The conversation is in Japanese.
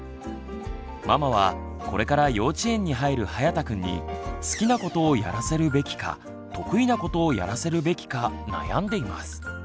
ママはこれから幼稚園に入るはやたくんに好きなことをやらせるべきか得意なことをやらせるべきか悩んでいます。